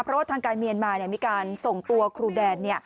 เพราะว่าทางการเมียนมามีการส่งตัวครูแดน